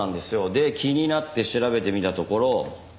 で気になって調べてみたところ。